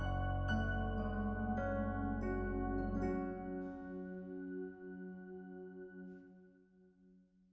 dan ku gaat ke indy